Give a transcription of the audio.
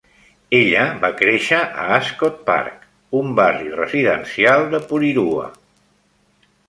Ella va créixer a Ascot Park, un barri residencial de Porirua.